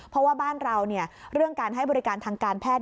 เพราะว่าบ้านเราเรื่องการให้บริการทางการแพทย์